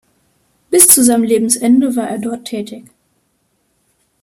Bis zu seinem Lebensende war er dort tätig.